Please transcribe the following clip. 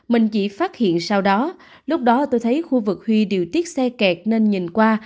mình chỉ phát hiện sau đó lúc đó tôi thấy khu vực huy điều tiết xe kẹt nên nhìn qua